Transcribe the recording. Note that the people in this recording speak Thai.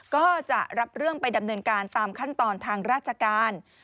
ก็จะรับเรื่องไปดำเนินการตามขั้นตอนทางราชการ